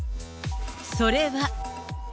それは。